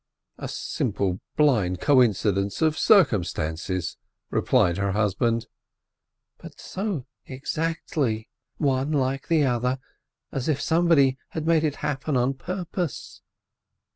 "A simple blind coincidence of circumstances," re plied her husband. "But so exactly — one like the other, as if somebody had made it happen on purpose."